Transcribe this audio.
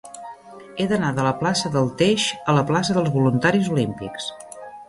He d'anar de la plaça del Teix a la plaça dels Voluntaris Olímpics.